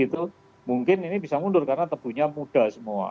itu mungkin ini bisa mundur karena tebunya muda semua